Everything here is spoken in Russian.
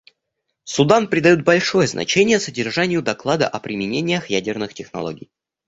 Судан придает большое значение содержанию доклада о применениях ядерных технологий.